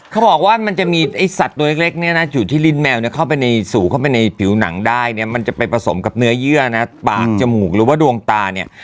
เขาบอกว่ามันจะมีไอ้สัตว์ตัวเล็กเนี่ยนะอยู่ที่ลิ้นแมวเนี่ยเข้าไปในสู่เข้าไปในผิวหนังได้เนี่ยมันจะไปผสมกับเนื้อเยื่อนะปากจมูกหรือว่าดวงตาเนี่ย